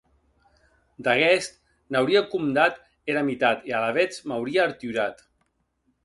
D’aguest n’auria compdat era mitat e alavetz m’auria arturat.